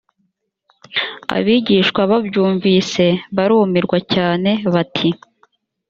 abigishwa babyumvise barumirwa cyane bati